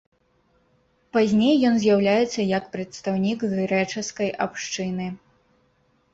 Пазней ён з'яўляецца як прадстаўнік грэчаскай абшчыны.